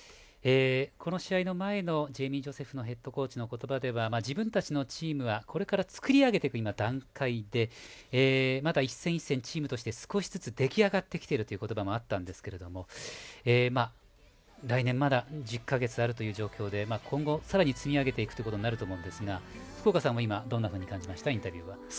この試合前のジェイミー・ジョセフヘッドコーチの言葉では自分たちのチームはこれから作り上げていく段階でまだ一戦一戦チームとして少しずつ出来上がってきているという言葉もあったんですけれども来年まだ１０か月ある状況で今後、さらに積み上げていくことになると思うんですが、福岡さんはどんなふうに感じましたか。